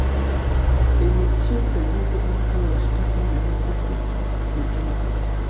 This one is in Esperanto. En tiu periodo ankaŭ la ŝtato mem estis mecenato.